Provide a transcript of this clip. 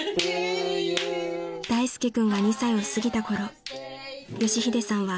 ［大介君が２歳を過ぎたころ佳秀さんは］